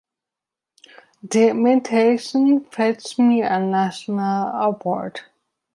The imitation fetched me a national award.